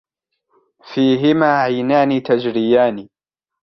فِيهِمَا عَيْنَانِ تَجْرِيَانِ